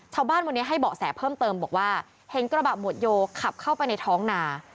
ชาวบ้านวันนี้ให้เบาะแสเพิ่มเติมบอกว่าเห็นกระบะหมวดโยขับเข้าไปในท้องนา